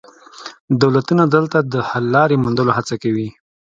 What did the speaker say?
دولتونه دلته د حل لارې موندلو هڅه کوي